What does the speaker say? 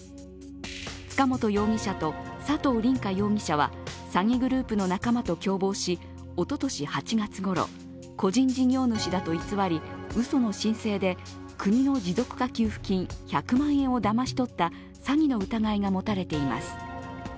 塚本容疑者と佐藤凛果容疑者は詐欺グループの仲間と共謀しおととし８月ごろ個人事業主だと偽りうその申請で国の持続化給付金１００万円をだまし取った詐欺の疑いが持たれています。